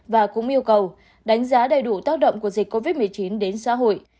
và cũng yêu cầu đánh giá đầy đủ tác động của dịch covid một mươi chín đến xã hội